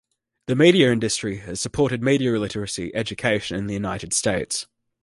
The media industry has supported media literacy education in the United States.